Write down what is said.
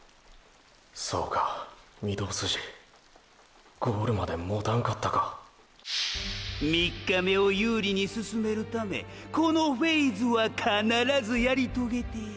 そうか御堂筋ゴールまでもたんかったか３日目を有利に進めるためこのフェイズは必ずやり遂げてや。